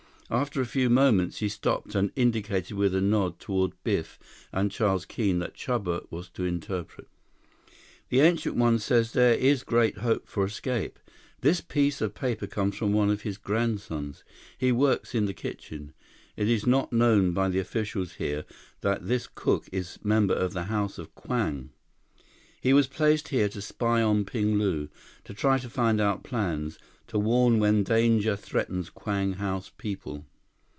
After a few moments, he stopped and indicated with a nod toward Biff and Charles Keene that Chuba was to interpret. "The Ancient One says there is great hope for escape. This piece of paper comes from one of his grandsons. He works in the kitchen. It is not known by the officials here that this cook is member of the House of Kwang. He was placed here to spy on Ping Lu. To try to find out plans. To warn when danger threatens Kwang House people."